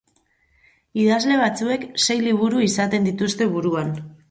Idazle batzuek sei liburu izaten dituzte buruan.